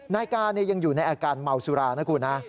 นายกายังอยู่ในอาการเมาสุรานะคุณนะ